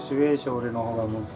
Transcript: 俺の方が。